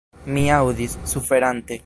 Mi aŭdis, suferante.